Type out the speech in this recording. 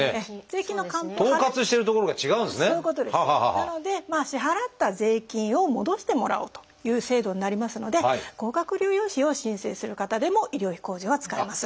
なので支払った税金を戻してもらおうという制度になりますので高額療養費を申請する方でも医療費控除は使えます。